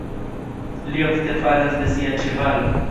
Li ofte falas de sia ĉevalo.